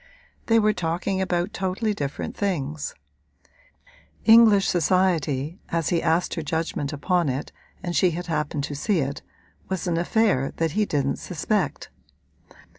They were talking about totally different things: English society, as he asked her judgment upon it and she had happened to see it, was an affair that he didn't suspect.